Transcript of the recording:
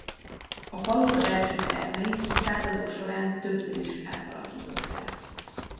A palota belső termeit a századok során többször is átalakították.